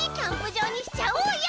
じょうにしちゃおうよ！